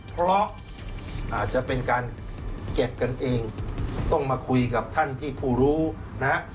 เพราะอาจจะเป็นการเก็บกันเองต้องมาคุยกับท่านที่ผู้รู้นะฮะ